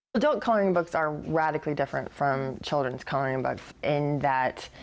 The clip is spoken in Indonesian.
buku mewarnai anak anak adalah berbeda dari buku mewarnai anak anak